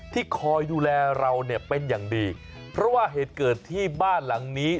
ที่คอยดูแลเราเนี่ยเป็นอย่างดีเพราะว่าเหตุเกิดที่บ้านหลังนี้